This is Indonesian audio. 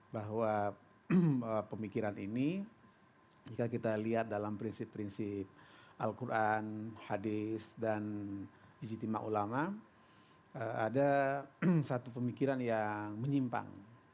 bahwa pemikiran ini jika kita lihat dalam prinsip prinsip al quran hadis dan ijtima ulama ada satu pemikiran yang menyimpang